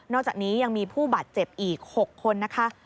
อกจากนี้ยังมีผู้บาดเจ็บอีก๖คนนะคะ